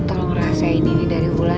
yang sedengar enggak tuh